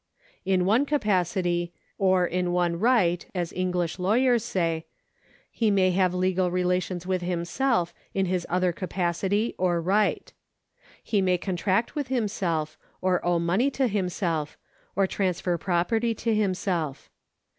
In one capacity, or in one right as English lawyers say, he may have legal rela tions with himself in his other capacity or right. He may contract with himself, or owe money to himself, or transfer property to himself.